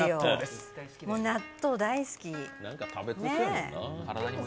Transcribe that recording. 納豆、大好き。